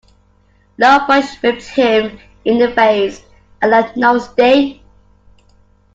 Low bush whipped him in the face and left no sting.